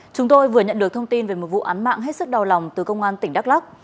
chúng tôi vừa nhận được thông tin về một vụ án mạng hết sức đau lòng từ công an tỉnh đắk lắc